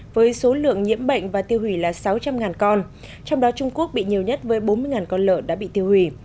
với số lượng nhiễm bệnh và tiêu hủy là sáu trăm linh con trong đó trung quốc bị nhiều nhất với bốn mươi con lợn đã bị tiêu hủy